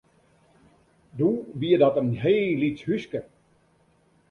Doe wie dat in heel lyts húske.